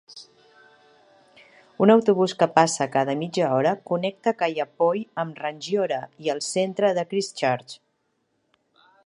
Un autobús que passa cada mitja hora connecta Kaiapoi amb Rangiora i el centre de Christchurch.